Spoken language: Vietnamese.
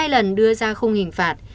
hai lần đưa ra khung hình phạt